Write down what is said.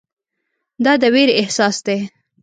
دا د ویرې احساس دی.